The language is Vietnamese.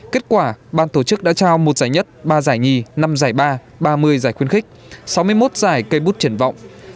kết quả ban tổ chức đã trao một giải nhất ba giải nhì năm giải ba ba mươi giải khuyến khích sáu mươi một giải cây bút triển vọng